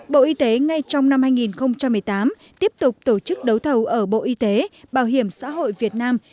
bộ y tế ngay trong năm hai nghìn một mươi tám tiếp tục tổ chức đấu thầu ở bộ y tế bảo hiểm xã hội việt nam